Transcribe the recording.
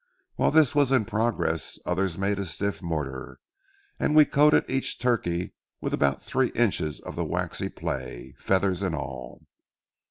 While this was in progress, others made a stiff mortar, and we coated each turkey with about three inches of the waxy play, feathers and all.